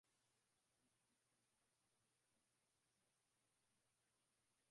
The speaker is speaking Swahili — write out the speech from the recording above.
lakini vilevile mi nadhani kama ikionekana kwamba hali